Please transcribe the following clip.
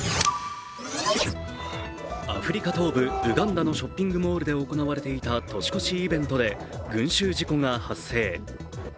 アフリカ東部ウガンダのショッピングモールで行われていた年越しイベントで群集事故が発生。